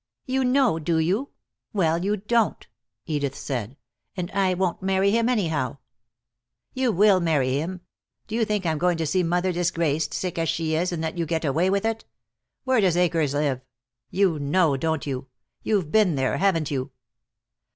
"You know, do you? Well, you don't," Edith said, "and I won't marry him anyhow." "You will marry him. Do you think I'm going to see mother disgraced, sick as she is, and let you get away with it? Where does Akers live? You know, don't you? You've been there, haven't you?"